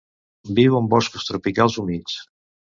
Viu en boscos tropicals humits.